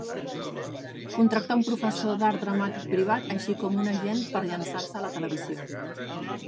Contracta un professor d'art dramàtic privat així com un agent per llançar-se a la televisió.